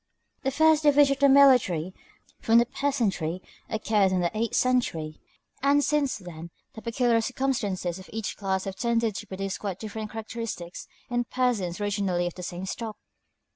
The first division of the military from the peasantry occurred in the eighth century, and since then the peculiar circumstances of each class have tended to produce quite different characteristics in persons originally of the same stock.